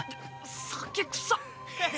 酒くさっ！